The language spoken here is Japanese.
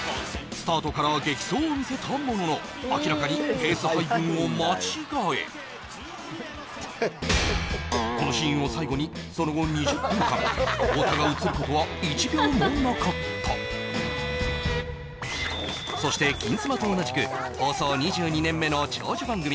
スタートから激走を見せたものの明らかにこのシーンを最後にその後２０分間太田が映ることは一秒もなかったそして「金スマ」と同じく放送２２年目の長寿番組